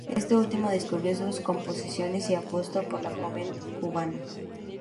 Este último descubrió sus composiciones y apostó por la joven cubana.